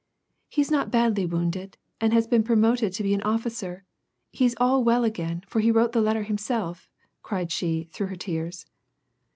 " He is not badly wounded, and has been promoted to be an officer ; he's all well again, for he wrote the letter himself," cried she, through her tears.